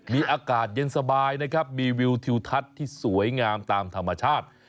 มีอากาศเย็นสบายนะครับมีวิวทิวทัศน์ที่สวยงามตามธรรมชาติ